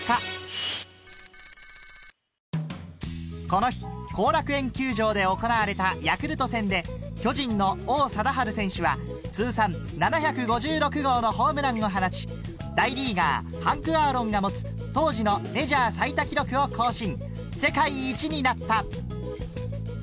この日後楽園球場で行われたヤクルト戦で巨人の王貞治選手は通算７５６号のホームランを放ち大リーガーハンク・アーロンが持つ当時のメジャー最多記録を更新